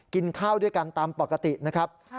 กินข้าวด้วยกันตามปกตินะครับ